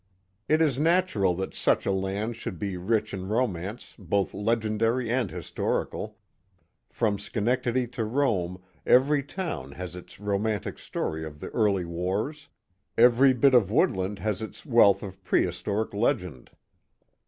It is natural that such a land should be rich in romance both legendary and historical. From Schenectady to Rome, every town has its romantic story of the early wars; every bit of woodland has its wealth of prehistoric legend.